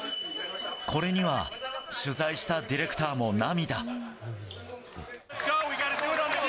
これには取材したディレクターも涙。